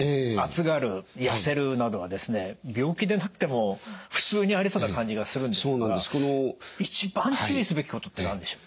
病気でなくても普通にありそうな感じがするんですが一番注意すべきことって何でしょう？